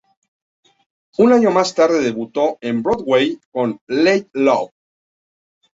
Un año más tarde debutó en Broadway con "Late Love".